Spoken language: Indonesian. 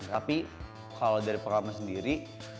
tapi kalau dari pengalaman sendiri